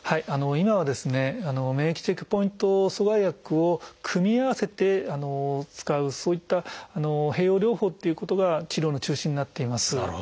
今は免疫チェックポイント阻害薬を組み合わせて使うそういった併用療法っていうことが治療の中心になっています。